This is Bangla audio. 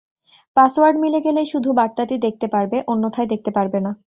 পাসওয়ার্ড মিলে গেলেই শুধু বার্তাটি দেখতে পারবে, অন্যথায় দেখতে পারবে না।